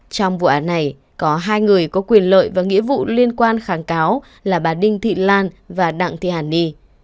trong vụ án này có hai người có quyền lợi và nghĩa vụ liên quan kháng cáo là bà đinh thị lan và đặng thị hàn ni